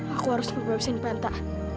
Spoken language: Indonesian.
aku harus berbaik di sini penta